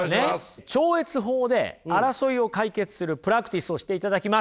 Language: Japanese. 超越法で争いを解決するプラクティスをしていただきます。